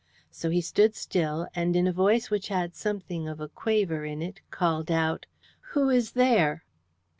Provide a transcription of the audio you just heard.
So he stood still, and in a voice which had something of a quaver in it, called out: "Who is there?"